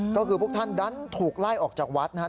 ก็คือพวกท่านดันถูกไล่ออกจากวัดนะครับ